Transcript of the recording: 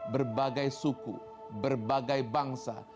berbagai suku berbagai bangsa